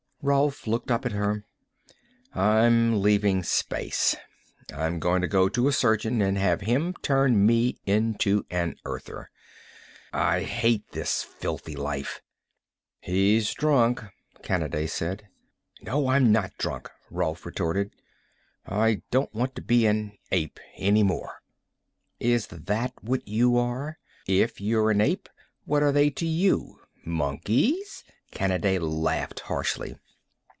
Rolf looked up at her. "I'm leaving space. I'm going to go to a surgeon and have him turn me into an Earther. I hate this filthy life!" "He's drunk," Kanaday said. "No, I'm not drunk," Rolf retorted. "I don't want to be an ape any more." "Is that what you are? If you're an ape, what are they to you? Monkeys?" Kanaday laughed harshly.